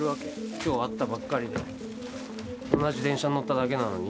今日会ったばっかりで同じ電車に乗っただけなのに？